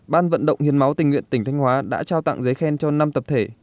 ban vận động hiến máu tình nguyện tỉnh thanh hóa đã trao tặng giấy khen cho năm tập thể